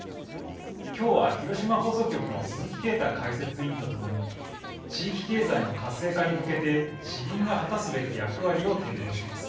今日は広島放送局の鈴木啓太解説委員と共に地域経済の活性化に向けて地銀が果たすべき役割を展望します。